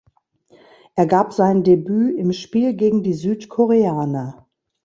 Er gab sein Debüt im Spiel gegen die Südkoreaner.